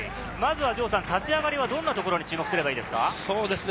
まずは立ち上がり、どんなところに注目すればいいですか？